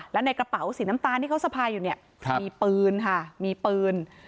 และในกระเป๋าสีน้ำตาลที่เขาสะพายอยู่เนี่ยมีปืนค่ะมีปืน